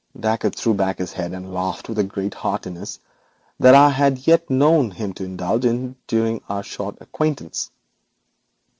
Dacre threw back his head and laughed with greater heartiness than I had yet known him to indulge in during our short acquaintance.